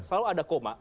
selalu ada koma